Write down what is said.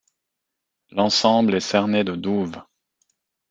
L'ensemble est cerné de douves.